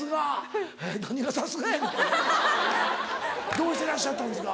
どうしてらっしゃったんですか？